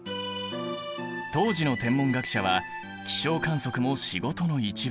当時の天文学者は気象観測も仕事の一部。